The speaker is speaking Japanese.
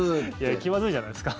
気まずいじゃないですか。